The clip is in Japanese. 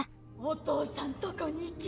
お父さんとこに行き。